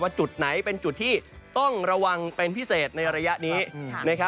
จุดไหนเป็นจุดที่ต้องระวังเป็นพิเศษในระยะนี้